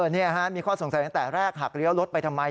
นี่ฮะมีข้อสงสัยตั้งแต่แรกหากเลี้ยวรถไปทำไม